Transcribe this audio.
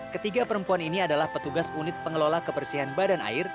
ketiga perempuan ini adalah petugas unit pengelola kebersihan badan air